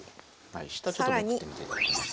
下ちょっとめくってみていただけます？